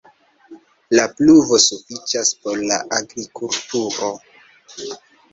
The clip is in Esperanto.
La pluvo sufiĉas por la agrikulturo.